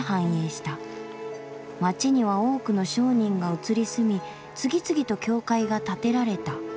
街には多くの商人が移り住み次々と教会が建てられた」。